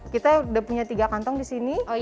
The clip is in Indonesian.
kita udah punya tiga kantong disini